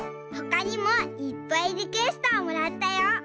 ほかにもいっぱいリクエストをもらったよ。